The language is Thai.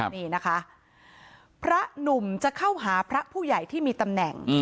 นี่นะคะพระหนุ่มจะเข้าหาพระผู้ใหญ่ที่มีตำแหน่ง